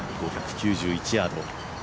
５９１ヤード。